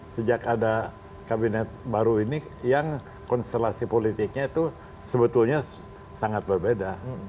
sejak ada kabinet baru ini yang konstelasi politiknya itu sebetulnya sangat berbeda